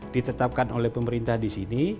ditetapkan oleh pemerintah di sini